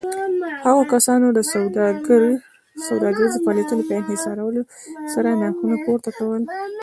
هغو کسانو د سوداګريزو فعاليتونو په انحصارولو سره نرخونه پورته کول.